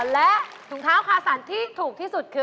แล้วราคาอยู่ที่